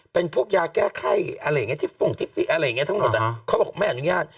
๓เป็นพวกยาแก้ไข้ที่ฝุ่งอะไรอย่างนี้ทั้งหมดเหรอเขาบอกว่าไม่อนุญาต